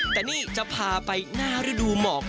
แต่นี่จะพาไปหน้าฤดูหมอก